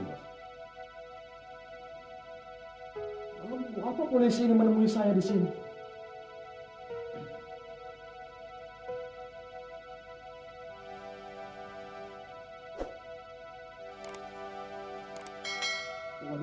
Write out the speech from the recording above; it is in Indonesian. lalu apa polisi ini menemui saya di sini